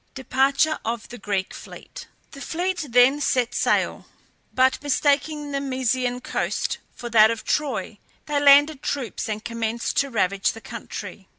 DEPARTURE OF THE GREEK FLEET. The fleet then set sail; but mistaking the Mysian coast for that of Troy, they landed troops and commenced to ravage the country.